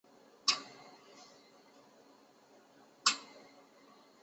站房两侧高架下为商业设施与自行车停车场。